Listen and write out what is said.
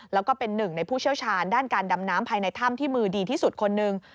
แล้วก็เป็นหนึ่งในผู้เชี่ยวชาญด้านการดำน้ำภายในถ้ำที่มือดีที่สุดคนหนึ่ง